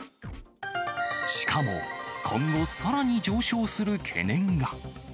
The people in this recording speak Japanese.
しかも、今後さらに上昇する懸念が。